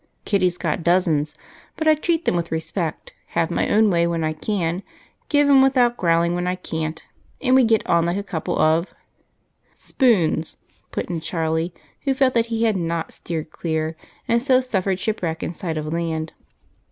Kitty's got dozens, but I treat them with respect, have my own way when I can, give in without growling when I can't, and we get on like a couple of " "Spoons," put in Charlie, who felt that he had not steered clear and so suffered shipwreck in sight of land.